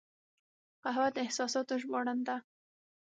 قهوه د احساساتو ژباړن ده